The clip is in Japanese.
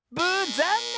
ざんねん！